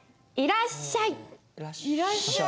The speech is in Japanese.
「いらっしゃい」。